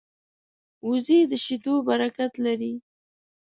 وزې د شیدو برکت لري